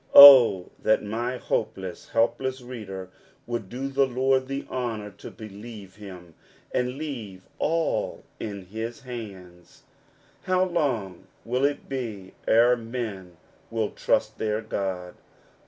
Oh, that my hopeless, help less reader would do the Lord the honor to be lieve him, and leave all in his hands ! How long will it be ere men will trust their God